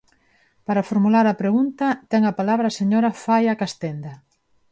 Para formular a pregunta, ten a palabra a señora Faia Castenda.